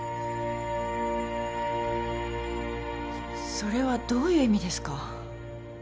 それはどういう意味ですか？